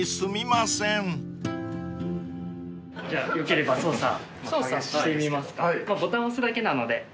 まぁボタン押すだけなので。